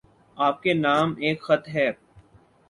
آپ کے نام ایک خط ہے